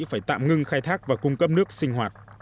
phải tạm ngưng khai thác và cung cấp nước sinh hoạt